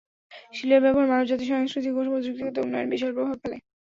শিলার ব্যবহার মানবজাতির সাংস্কৃতিক ও প্রযুক্তিগত উন্নয়নে বিশাল প্রভাব ফেলে।